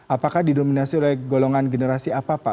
apakah didominasi oleh golongan generasi apa pak